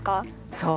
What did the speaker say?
そう。